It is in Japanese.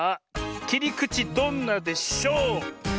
きりくちどんなでしょ。